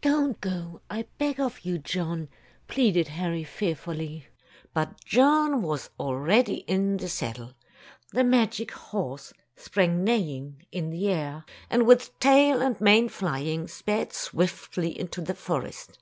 "Don't go, I beg of you, John," pleaded Harry fearfully. But John was already in Tales of Modern Germany 45 the saddle. The magic horse sprang neigh ing in the air, and with tail and mane flying, sped swiftly into the forest.